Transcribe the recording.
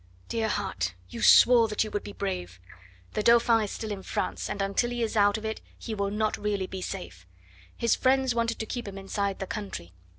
"Dear heart! you swore that you would be brave. The Dauphin is still in France, and until he is out of it he will not really be safe; his friends wanted to keep him inside the country.